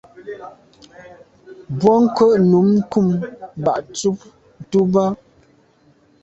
Mbwôg ko’ num kum ba’ ntshùb tu ba’.